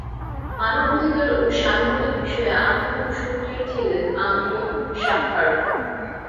মানব অধিকার ও স্বাধীনতা বিষয়ে আজীবন সোচ্চার ছিলেন আন্দ্রে শাখারভ।